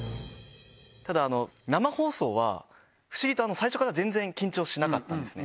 ただ、生放送は不思議と最初から全然緊張しなかったんですね。